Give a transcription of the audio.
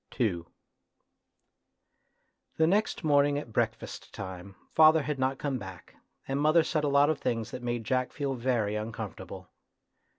II The next morning at breakfast time father 94 A TRAGEDY IN LITTLE had not come back, and mother said a lot of things that made Jack feel very uncomfort able.